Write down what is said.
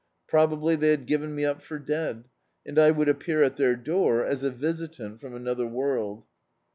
Probably they bad given me up for dead, and I would appear at their door as a visitant from another world.